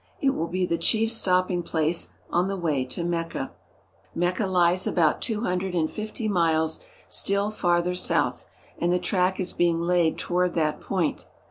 It will be the chief stopping place on the way to Mecca. Mecca lies about two hundred and fifty miles still far 242 ACROSS THE LEBANON MOUNTAINS ther south and the track is being laid toward that point.